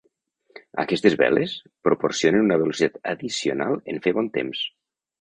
Aquestes veles proporcionen una velocitat addicional en fer bon temps.